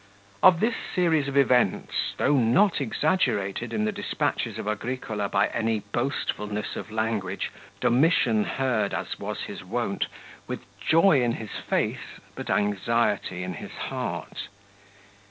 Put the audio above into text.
39 Of this series of events, though not exaggerated in the despatches of Agricola by any boastfulness of language, Domitian heard, as was his wont, with joy in his face but anxiety in his heart.